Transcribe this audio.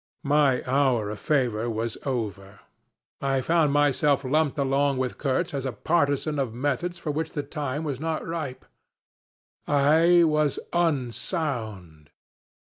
My hour of favor was over; I found myself lumped along with Kurtz as a partisan of methods for which the time was not ripe: I was unsound!